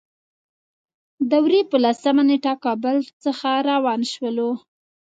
د وري په لسمه نېټه کابل څخه روان شولو.